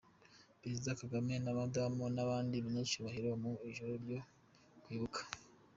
Perezida Kagame na Madamu n’abandi banyacyubahiro mu ijoro ryo kwibuka